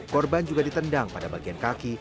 korban juga ditendang pada bagian kaki